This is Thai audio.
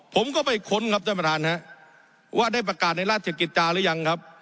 ผมก็ไปค้นครับท่านประธานฮะว่าได้ประกาศในราชกิจจาหรือยังครับ